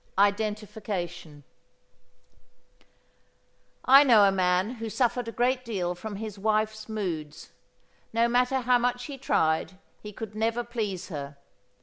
IDENTIFICATION I know a man who suffered a great deal from his wife's moods. No matter how much he tried he could never please her.